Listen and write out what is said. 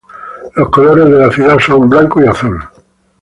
Los colores de la ciudad son blanco-azul.